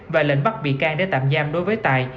và lệnh bắt bị can để tạm giam đối với tài